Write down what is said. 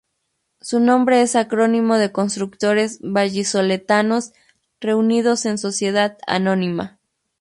Su nombre es acrónimo de Constructores Vallisoletanos Reunidos en Sociedad Anónima.